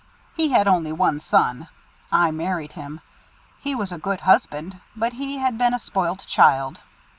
He had one only son. I married him. He was a good husband, but he had been a spoilt child.